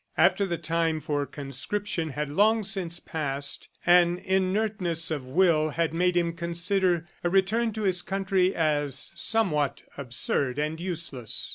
After the time for conscription had long since passed, an inertness of will had made him consider a return to his country as somewhat absurd and useless.